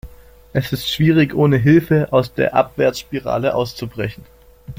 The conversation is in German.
Es ist schwierig, ohne Hilfe aus der Abwärtsspirale auszubrechen.